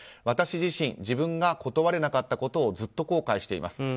私自身自分が断れなかったことをずっと後悔しています。